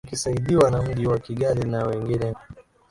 kwa yakisaidiwa na mji wa kigali na wengine